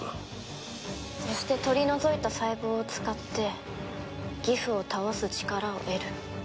そして取り除いた細胞を使ってギフを倒す力を得る。